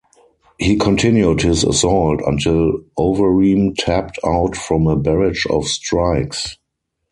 He continued his assault until Overeem tapped out from a barrage of strikes.